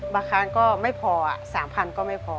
บาคานก็ไม่พอสามพันก็ไม่พอ